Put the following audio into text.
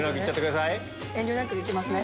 遠慮なくいきますね。